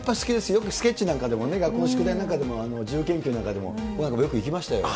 よくスケッチなんかでも、学校の宿題なんかで、自由研究なんかでもよく行きましたよね。